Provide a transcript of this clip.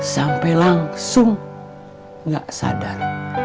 sampai langsung gak sadar